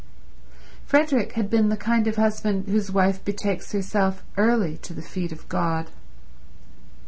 Frederick had been the kind of husband whose wife betakes herself early to the feet of God.